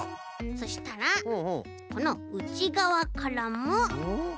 そしたらこのうちがわからもしっかりとね